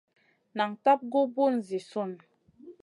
Nan tab gu bùn zi sùn.